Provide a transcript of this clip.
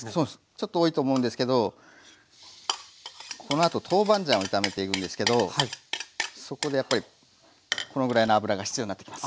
ちょっと多いと思うんですけどこのあとトーバンジャンを炒めていくんですけどそこでやっぱりこのぐらいの油が必要になってきます。